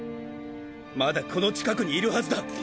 まだこの近くにいるはずだ。